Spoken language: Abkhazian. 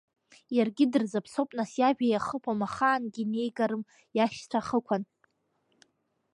Иаргьы дырзаԥсоуп, нас, иажәа иахыԥом, ахаангьы инеигарым иашьцәа ахықәан.